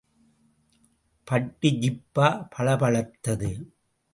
பட்டு ஜிப்பா பளபளத்தது.